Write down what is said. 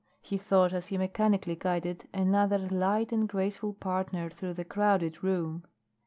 he thought as he mechanically guided another light and graceful partner through the crowded room.